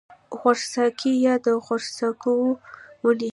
غوړاڅکی یا د غوړاڅکو ونې